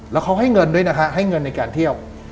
แล้วเขาให้เงินด้วยนะฮะให้เงินในการเที่ยว